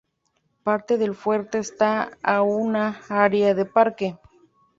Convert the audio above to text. Parte del fuerte está en una área de parque.